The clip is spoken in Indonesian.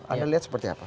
anda lihat seperti apa